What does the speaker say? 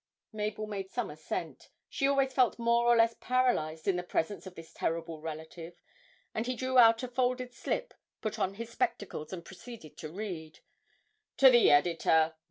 Mabel made some assent she always felt more or less paralysed in the presence of this terrible relative and he drew out a folded slip, put on his spectacles, and proceeded to read: '"To the Editor.